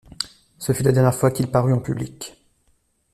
Ce fut la dernière fois qu’il parut en public.